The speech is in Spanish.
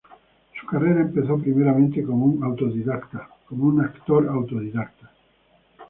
Su carrera empezó primeramente como un autodidacta actor.